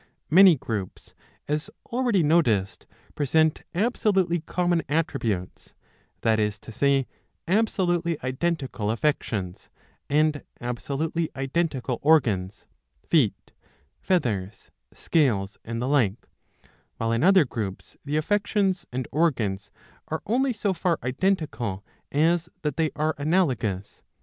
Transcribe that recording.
Many groups, as already noticed, present absolutely common attributes, that is to say, absolutely identical affections, and absolutely identical organs, feet, feathers, scales, and the like ; while in other groups the affections and organs are only so far identical as that they are analogous.